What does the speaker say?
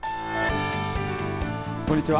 こんにちは。